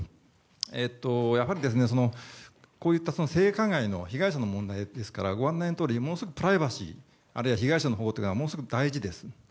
こういった性加害の被害者の問題ですからものすごくプライバシーあるいは被害者の保護がものすごく大事です。